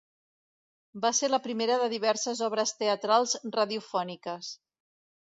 Va ser la primera de diverses obres teatrals radiofòniques.